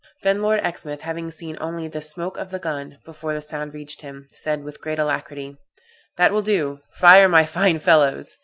Then Lord Exmouth, having seen only the smoke of the gun, before the sound reached him, said, with great alacrity, '_That will do; fire my fine fellows!